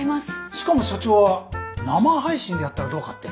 しかも社長は生配信でやったらどうかって。